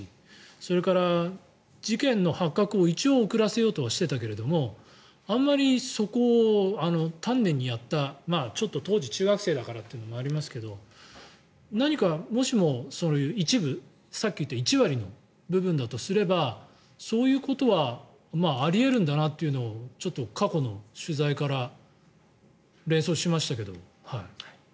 それから事件の発覚を一応遅らせようとはしていたけれどあまりそこを丹念にやったちょっと当時中学生だったというのもありますが何か、もしもそういう一部さっき言った１割の部分だとすればそういうことはあり得るんだなってちょっと過去の取材から連想しましたけど。